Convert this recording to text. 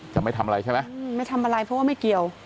จะไม่ทำอะไรใช่ไหมไม่ทำอะไรเพราะว่าไม่เกี่ยว